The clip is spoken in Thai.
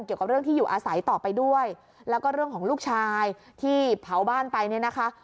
เกี่ยวกับเรื่องที่อยู่อาศัยต่อไปด้วยแล้วก็เรื่องของลูกชายที่เผาบ้านไปเนี่ยนะคะ